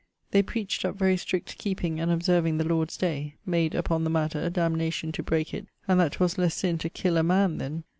They preached up very strict keeping and observing the Lord's day; made, upon the matter, damnation to breake it, and that 'twas lesse sin to kill a man then....